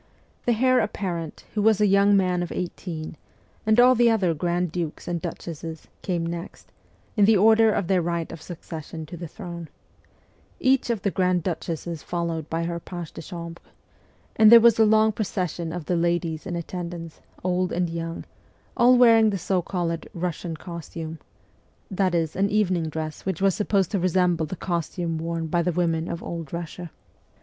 The heir apparent, who was a young man of eighteen, and all the other grand dukes and duchesses, came next, in the order of their right of succession to the throne each of the grand duchesses followed by her page de chambre ; then there was a long procession of the ladies in atten dance, old and young, all wearing the so called Russian costume that is, an evening dress which was supposed to resemble the costume worn by the women of Old Russia.